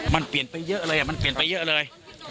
มันเปลี่ยนไปเยอะเลยมันเปลี่ยนไปเยอะเลย